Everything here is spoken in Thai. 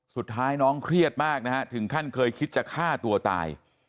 สุดท้ายน้องเครียดมากนะฮะถึงขั้นเคยคิดจะฆ่าตัวตาย